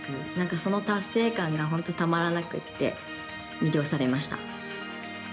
その達成感が本当にたまらなくて魅了されました。